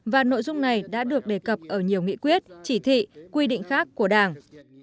và nội dung này đã được đề cập ở nhiều nghị quyết chỉ thị quy định khác của đảng